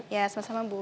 ya sama sama bu